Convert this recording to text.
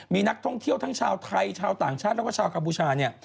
มีนักท่องเที่ยวทั้งชาวไทยชาวต่างชาติแล้วก็ชาวกัมพูชาเนี่ย